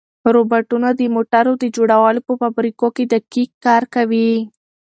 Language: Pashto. روبوټونه د موټرو د جوړولو په فابریکو کې دقیق کار کوي.